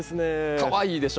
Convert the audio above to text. かわいいでしょ。